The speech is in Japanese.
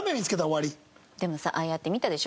でもさああやって見たでしょ？